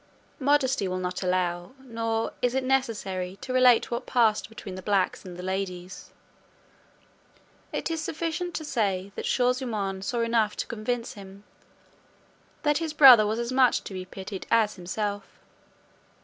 Modesty will not allow, nor is it necessary, to relate what passed between the blacks and the ladies. It is sufficient to say, that Shaw zummaun saw enough to convince him, that his brother was as much to be pitied as himself.